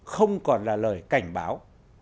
không còn là lời cảnh báo